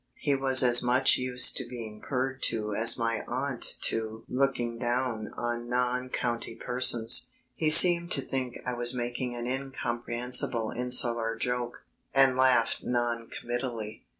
He was as much used to being purred to as my aunt to looking down on non county persons. He seemed to think I was making an incomprehensible insular joke, and laughed non committally.